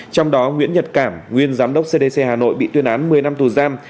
trong đó nguyễn nhật cảm nguyên giám đốc cdc hà nội bị tuyên án một mươi năm tù giam